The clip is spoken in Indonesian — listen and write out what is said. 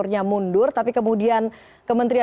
ya itu makanya